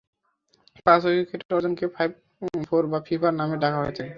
পাঁচ-উইকেট অর্জনকে "five-for" বা "ফিফার" নামেও ডাকা হয়ে থাকে।